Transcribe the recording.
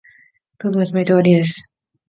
当番を決めて終わりです。